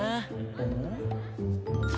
うん？